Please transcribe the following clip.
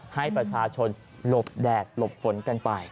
ให้ประชาชนหลบแดดหลบฝนกันไป